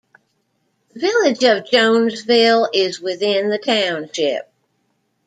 The village of Jonesville is within the township.